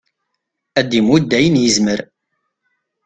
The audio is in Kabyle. ad d-imudd ayen yezmer